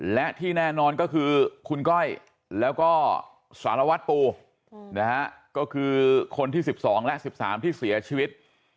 และที่แน่นอนก็คือคุณก้อยแล้วก็สารวัตรปูนะฮะก็คือคนที่๑๒และ๑๓ที่เสียชีวิต